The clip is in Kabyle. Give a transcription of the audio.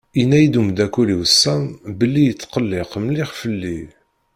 Yenna-yi-d umdakel-iw Sam belli yetqelleq mliḥ fell-i.